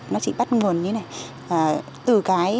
nó chỉ bắt nguồn như thế này